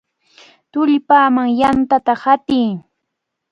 ¡Tullpaman yantata hatiy!